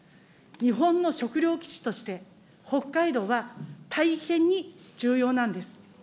日本の食料基地として、北海道は大変に重要なんです。